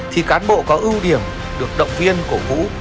thì cán bộ có ưu điểm được động viên cổ vũ